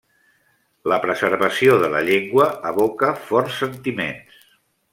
La preservació de la llengua evoca forts sentiments.